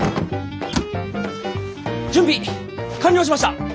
準備完了しました！